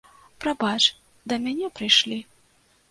Прабач, да мяне прыйшлі.